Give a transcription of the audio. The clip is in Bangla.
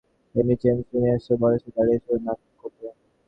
হেনরি জেমস, জুনিয়র জো, বলেছি দৌড়াদৌড়ি না করতে।